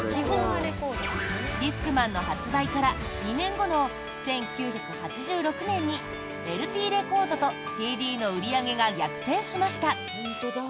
ディスクマンの発売から２年後の１９８６年にＬＰレコードとＣＤの売り上げが逆転しました。